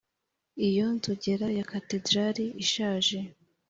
iyo inzogera ya katedrali ishaje